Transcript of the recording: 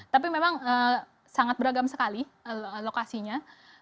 tapi memang sangat beragam sekali lokasinya